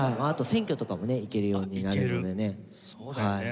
あと選挙とかもね行けるようになるのでね。